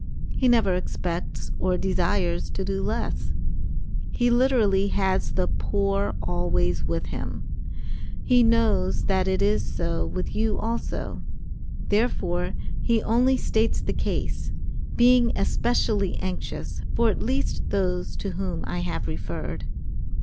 He never expects or desires to do less; he literally has the poor always with him. He knows that it is so with you also, therefore, he only states the case, being especially anxious for at least those to whom I have referred.